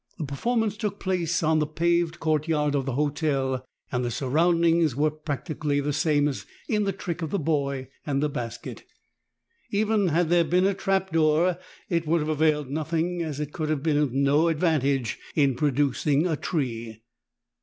The performance took place on the paved court yard of the hotel, and the surroundings were prac tically the same as in the trick of the boA^ and basket. Even had there been a trapdoor it would have availed nothing, as it could have been of no advantage in producing a tree.